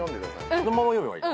そのまま読めばいい？